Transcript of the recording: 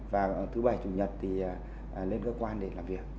và thứ bảy chủ nhật thì lên cơ quan để làm việc